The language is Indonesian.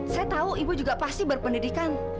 saya tahu ibu juga pasti berpendidikan